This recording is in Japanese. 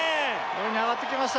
上に上がってきました